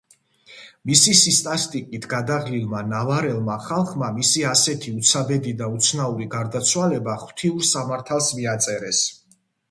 მისი სისასტიკით გადაღლილმა ნავარელმა ხალხმა, მისი ასეთი უცებადი და უცნაური გარდაცვალება ღვთიურ სამართალს მიაწერეს.